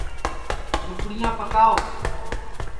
دُپڑِیاں پکاؤ